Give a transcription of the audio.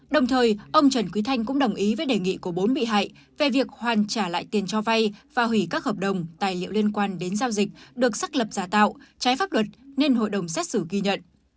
đồng thời ông trần quý thanh cũng đồng ý với đề nghị của bốn bị hại về việc hoàn trả lại tiền cho vay và hủy các hợp đồng tài liệu liên quan đến giao dịch được xác lập giả tạo trái pháp luật nên hội đồng xét xử ghi nhận